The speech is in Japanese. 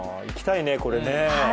行きたいね、これね。